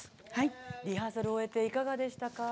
リハーサルを終えていかがでしたか？